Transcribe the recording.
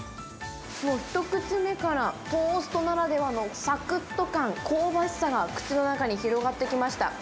一口目からトーストならではのさくっと感、香ばしさが、口の中に広がってきました。